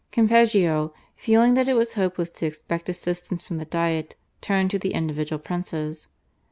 Campeggio, feeling that it was hopeless to expect assistance from the Diet, turned to the individual princes.